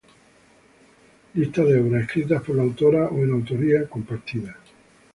Lista de obras escritas por la autora o en autoría compartida